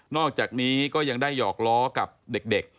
อกจากนี้ก็ยังได้หยอกล้อกับเด็ก